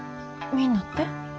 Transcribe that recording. みんなって？